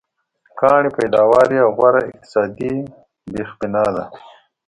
کانې پیداوار یې غوره اقتصادي بېخبنا ده.